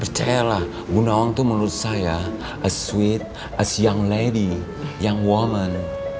percayalah bu nawang tuh menurut saya a sweet a young lady young woman